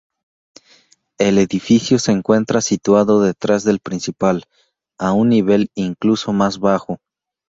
El edificio se encuentra situado detrás del principal, a un nivel incluso más bajo.